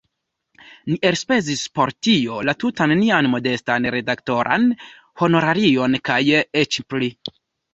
Ni elspezis por tio la tutan nian modestan redaktoran honorarion kaj eĉ pli.